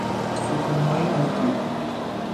ستونهایی از دود